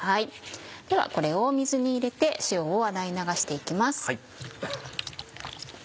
ではこれを水に入れて塩を洗い流して行きます。